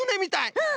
うん！